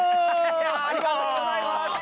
ありがとうございます！